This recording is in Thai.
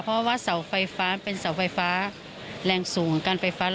เพราะว่าเสาไฟฟ้าเป็นเสาไฟฟ้าแรงสูงของการไฟฟ้า